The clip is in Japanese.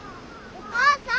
お母さん！